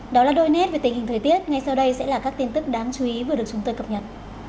đó là đôi nét về tình hình thời tiết ngay sau đây sẽ là các tin tức đáng chú ý vừa được chúng tôi cập nhật